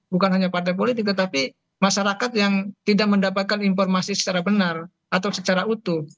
bukan hanya partai politik tetapi masyarakat yang tidak mendapatkan informasi secara benar atau secara utuh